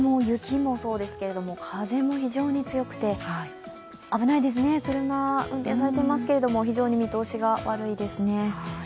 雪もそうですけれども、風も非常に強くて危ないですね、車運転されていますけれども、非常に見通しが悪いですね。